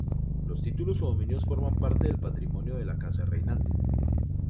Los títulos o dominios forman parte del patrimonio de la casa reinante.